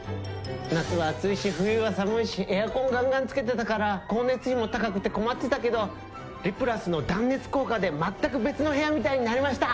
夏は暑いし冬は寒いしエアコンガンガンつけてたから光熱費も高くて困ってたけど「リプラス」の断熱効果で全く別の部屋みたいになりました！